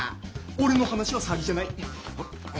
俺の話は詐欺じゃない。